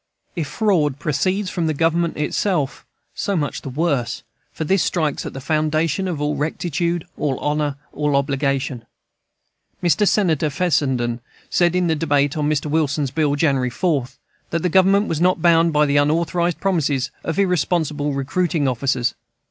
If fraud proceeds from Government itself, so much the worse, for this strikes at the foundation of all rectitude, all honor, all obligation. Mr. Senator Fessenden said, in the debate on Mr. Wilson's bill, January 4, that the Government was not bound by the unauthorized promises of irresponsible recruiting officers.